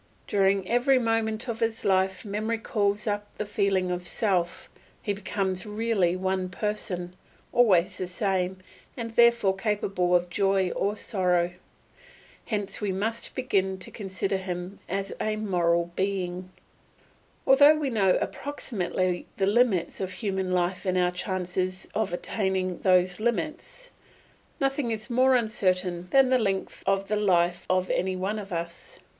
During every moment of his life memory calls up the feeling of self; he becomes really one person, always the same, and therefore capable of joy or sorrow. Hence we must begin to consider him as a moral being. Although we know approximately the limits of human life and our chances of attaining those limits, nothing is more uncertain than the length of the life of any one of us.